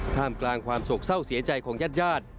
ท่ามกลางความโศกเศร้าเสียใจของญาติญาติ